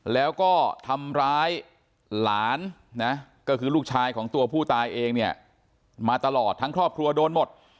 แล้วก็ทำร้ายหลานนะก็คือลูกชายของตัวผู้ตายเองเนี่ยมาตลอดทั้งครอบครัวโดนหมด